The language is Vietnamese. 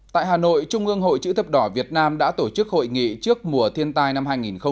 tại hà nội trung ương hội chữ thập đỏ việt nam đã tổ chức hội nghị trước mùa thiên tai năm hai nghìn một mươi chín